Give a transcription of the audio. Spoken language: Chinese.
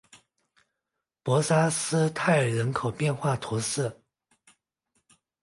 博沙斯泰人口变化图示